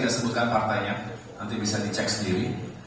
kita sebutkan partainya nanti bisa dicek sendiri